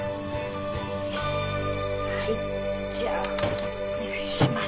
はいじゃあお願いします。